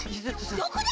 どこだ！